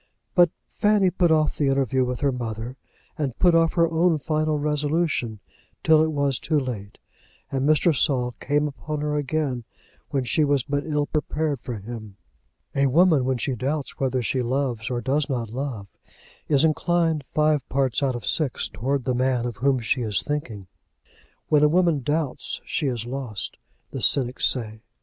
But Fanny put off the interview with her mother, put off her own final resolution, till it was too late, and Mr. Saul came upon her again, when she was but ill prepared for him. A woman, when she doubts whether she loves or does not love, is inclined five parts out of six towards the man of whom she is thinking. When a woman doubts she is lost, the cynics say.